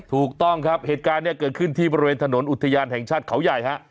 ถูกต้องครับเหตุการณ์เนี่ยเกิดขึ้นที่บริเวณถนนอุทยานแห่งชาติเขาใหญ่ฮะ